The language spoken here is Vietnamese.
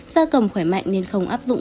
da cầm khỏe mạnh nên không áp dụng